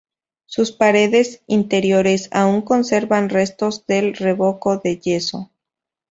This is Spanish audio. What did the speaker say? Sus paredes interiores aún conservan restos del revoco de yeso.